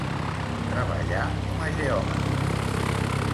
Treballà com a geòmetra.